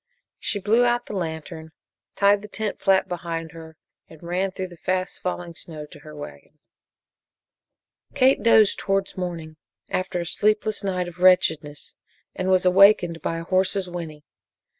She blew out the lantern, tied the tent flap behind her, and ran through the fast falling snow to her wagon. Kate dozed towards morning after a sleepless night of wretchedness and was awakened by a horse's whinny.